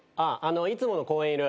いつもの公園いる。